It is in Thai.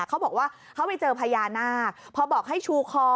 เขาบอกว่าเขาไปเจอพญานาคพอบอกให้ชูคอ